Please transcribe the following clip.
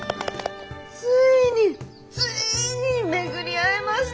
ついについに巡り合えました！